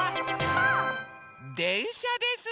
でんしゃです。